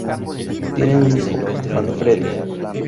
Tienen un hijo, Manfredi.